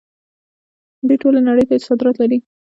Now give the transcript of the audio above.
دوی ټولې نړۍ ته صادرات لري.